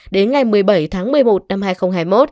đến ngày một mươi bảy tháng một mươi một năm hai nghìn hai mươi một